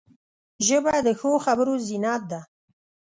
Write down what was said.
ژبه د ښو خبرو زینت ده